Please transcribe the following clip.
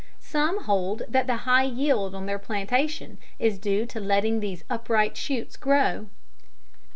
Some hold that the high yield on their plantation is due to letting these upright shoots grow.